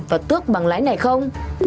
và tước bằng lái này không